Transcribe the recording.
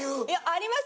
あります！